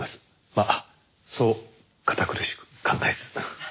まあそう堅苦しく考えず。